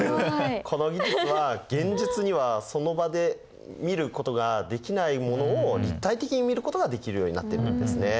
この技術は現実にはその場で見ることができないものを立体的に見ることができるようになっているんですね。